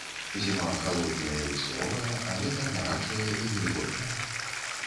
Зіма халодная і суровая, а лета гарачае і вільготнае.